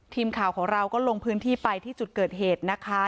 ทีมข่าวของเราก็ลงพื้นที่ไปที่จุดเกิดเหตุนะคะ